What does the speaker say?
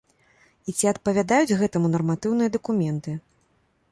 І ці адпавядаюць гэтаму нарматыўныя дакументы.